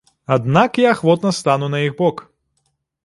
Аднак я ахвотна стану на іх бок!